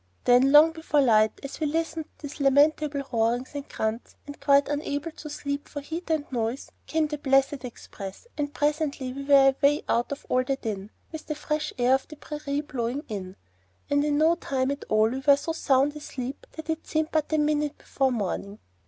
"Then long before light, as we lay listening to these lamentable roarings and grunts, and quite unable to sleep for heat and noise, came the blessed express, and presently we were away out of all the din, with the fresh air of the prairie blowing in; and in no time at all we were so sound asleep that it seemed but a minute before morning.